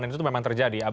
itu memang terjadi